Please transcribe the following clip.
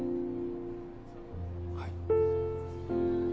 はい。